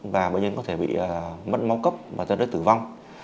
và bệnh nhân có thể bị mất máu cấp và ra đất tử vong